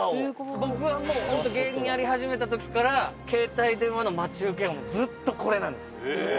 僕は芸人やり始めたときから携帯電話の待ち受けはずっとこれなんです。